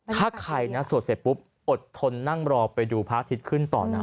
ถ้าใครนะสวดเสร็จปุ๊บอดทนนั่งรอไปดูพระอาทิตย์ขึ้นต่อนะ